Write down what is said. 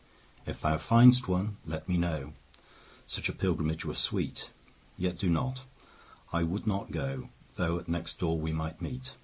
If thou find'st one, let me know; Such a pilgrimage were sweet. 20 Yet do not; I would not go, Though at next door we might meet.